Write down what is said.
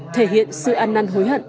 thể hiện sự ăn năn hối hận